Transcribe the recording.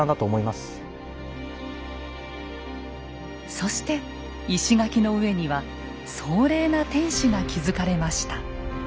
そして石垣の上には壮麗な天守が築かれました。